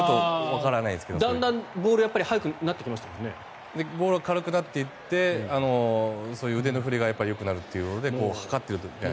だんだんボールがボールが軽くなっていってそういう腕の振りがよくなるというので測ってるんじゃないですか？